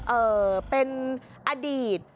เอ่อเป็นอดีต